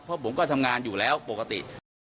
เพราะผมก็ทำงานอยู่แล้วปกติ